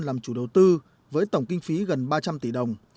làm chủ đầu tư với tổng kinh phí gần ba trăm linh tỷ đồng